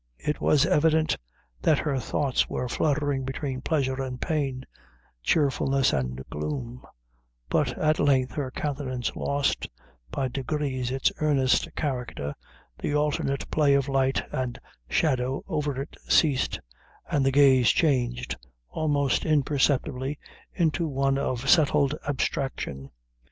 It was evident that her thoughts were fluttering between pleasure and pain, cheerfulness and gloom; but at length her countenance lost, by degrees its earnest character, the alternate play of light and shadow over it ceased, and the gaze changed, almost imperceptibly, into one of settled abstraction.